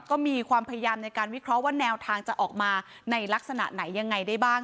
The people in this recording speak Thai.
ก็มีความพยายามในการวิเคราะห์ว่าแนวทางจะออกมาในลักษณะไหนยังไงได้บ้าง